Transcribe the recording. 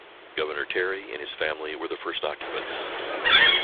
Governor Terry and his family were the first occupants.